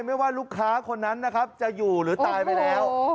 ไม่ว่าลูกค้าคนนั้นนะครับจะอยู่หรือตายไปแล้ว